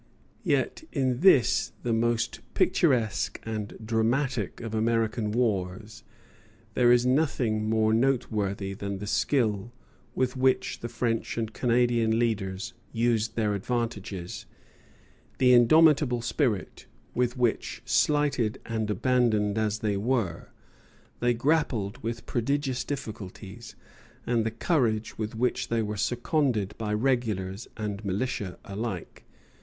Yet in this the most picturesque and dramatic of American wars, there is nothing more noteworthy than the skill with which the French and Canadian leaders used their advantages; the indomitable spirit with which, slighted and abandoned as they were, they grappled with prodigious difficulties, and the courage with which they were seconded by regulars and militia alike.